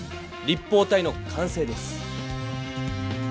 立方体の完成です。